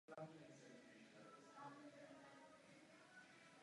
Pravidelně se účastnila letní herecké školy.